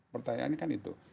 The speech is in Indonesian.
pertanyaannya kan itu